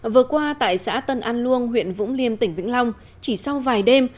vừa qua tại xã tân an luông huyện vũng liêm tỉnh vĩnh long chỉ sau vài đêm